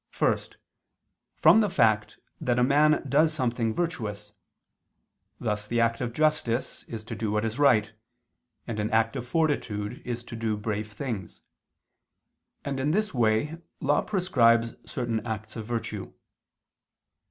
First, from the fact that a man does something virtuous; thus the act of justice is to do what is right, and an act of fortitude is to do brave things: and in this way law prescribes certain acts of virtue.